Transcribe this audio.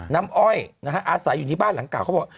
น้ำอ้อยอาศัยอยู่ในบ้านหลังกล่าวเขาบอก